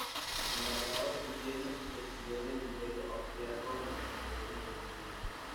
Embargados sus bienes, se exilió en el Imperio Austríaco donde combatió contra los turcos.